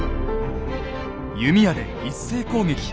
弓矢で一斉攻撃。